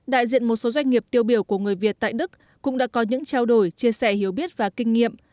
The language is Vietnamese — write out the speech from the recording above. đại diện một số doanh nghiệp tiêu biểu của người việt tại đức cũng đã có những trao đổi chia sẻ hiểu biết và kinh nghiệm